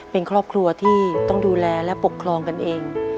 เป็นครอบครัวที่ต้องดูแลและปกครองกันเอง